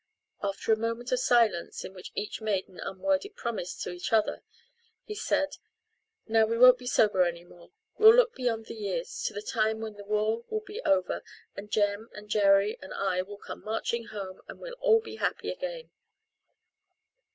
After a moment of silence, in which each made an unworded promise to each other, he said, "Now we won't be sober any more. We'll look beyond the years to the time when the war will be over and Jem and Jerry and I will come marching home and we'll all be happy again."